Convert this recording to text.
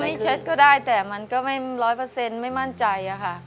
เช็ดก็ได้แต่มันก็ไม่ร้อยเปอร์เซ็นต์ไม่มั่นใจค่ะ